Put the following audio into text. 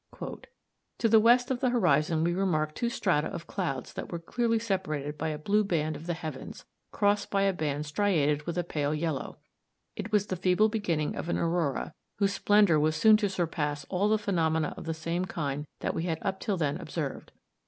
"To the west of the horizon we remarked two strata of clouds that were clearly separated by a blue band of the heavens, crossed by a band striated with a pale yellow. It was the feeble beginning of an aurora, whose splendor was soon to surpass all the phenomena of the same kind that we had up till then observed.